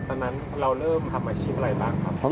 ตอนนั้นเราเริ่มทำอาชีพอะไรบ้างครับ